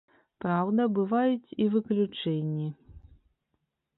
Праўда, бываюць і выключэнні.